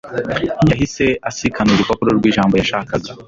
yahise asikana urupapuro rwijambo yashakaga